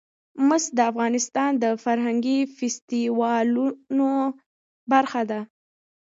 مس د افغانستان د فرهنګي فستیوالونو برخه ده.